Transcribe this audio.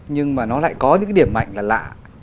nhưng mà nó lại có những cái điểm mạnh là lạ